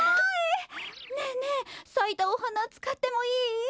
ねえねえさいたおはなつかってもいい？